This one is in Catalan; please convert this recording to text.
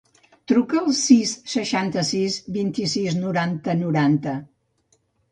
Truca al sis, seixanta-sis, vint-i-sis, noranta, noranta.